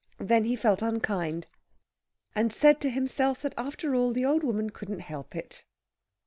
Then he felt unkind, and said to himself, that, after all, the old woman couldn't help it.